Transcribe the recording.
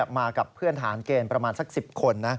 มากับเพื่อนฐานเกณฑ์ประมาณสัก๑๐คน